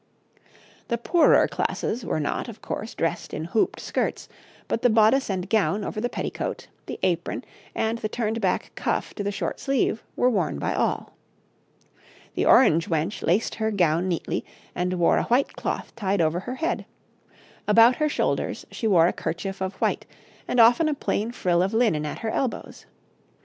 The poorer classes were not, of course, dressed in hooped skirts, but the bodice and gown over the petticoat, the apron, and the turned back cuff to the short sleeve were worn by all. The orange wench laced her gown neatly, and wore a white cloth tied over her head; about her shoulders she wore a kerchief of white, and often a plain frill of linen at her elbows.